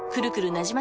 なじま